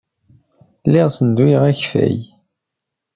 Lliɣ ssenduyeɣ akeffay.